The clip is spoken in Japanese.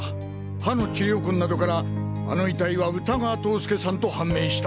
歯の治療痕などからあの遺体は歌川塔介さんと判明した。